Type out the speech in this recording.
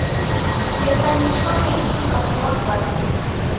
Leka nishome ihi barua kwaza